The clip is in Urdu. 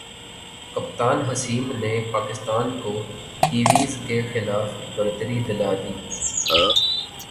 کپتان حسیم نے پاکستان کو کیویز کے خلاف برتری دلا دی